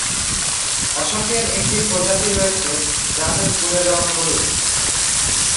অশোকের একটি প্রজাতি রয়েছে যাদের ফুলের রঙ হলুদ।